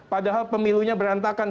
padahal pemilunya berantakan